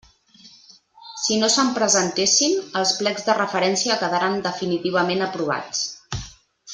Si no se'n presentessin, els plecs de referència quedaran definitivament aprovats.